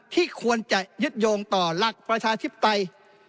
ที่ควรจะยึดโยงต่อหลักประชาธิปไตย